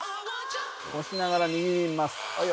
押しながら握ります。